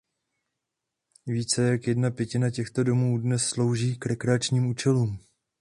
Více jak jedna pětina těchto domů dnes slouží k rekreačním účelům.